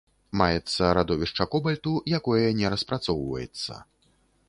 Маецца радовішча кобальту, якое не распрацоўваецца.